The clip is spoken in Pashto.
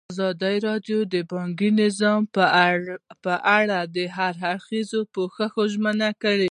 ازادي راډیو د بانکي نظام په اړه د هر اړخیز پوښښ ژمنه کړې.